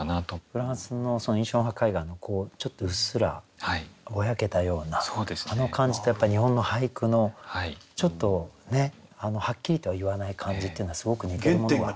フランスの印象派絵画のちょっとうっすらぼやけたようなあの感じと日本の俳句のちょっとねはっきりとは言わない感じっていうのはすごく似てるものが。